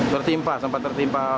tertimpa sampai tertimpa